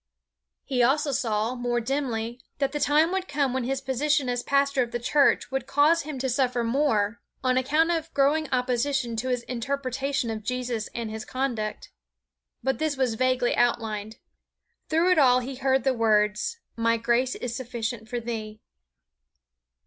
He also saw, more dimly, that the time would come when his position as pastor of the church would cause him to suffer more on account of growing opposition to his interpretation of Jesus and His conduct. But this was vaguely outlined. Through it all he heard the words "My grace is sufficient for thee."